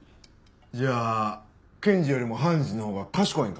じゃあ検事よりも判事のほうが賢いんか？